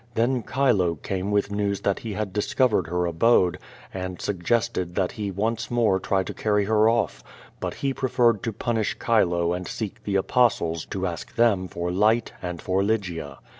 Then Chilo came with news that he had discovered her abode, and suggested that he once more try to carry her off; but he preferred to punish Chilo and seek the Apostles to ask them for light and for Lygia.